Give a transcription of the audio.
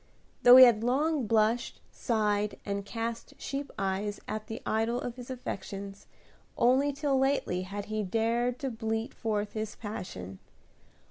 Though he had long blushed, sighed, and cast sheep's eyes at the idol of his affections, only till lately had he dared to bleat forth his passion.